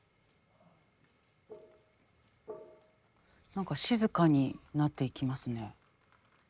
何か静かになっていきますね。